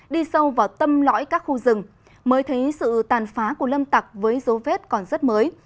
đi sâu vào tâm lõi các khu rừng mới thấy sự tàn phá của lâm tặc với dấu vết còn rất mới